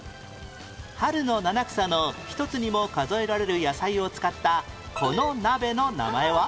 春の七草の一つにも数えられる野菜を使ったこの鍋の名前は？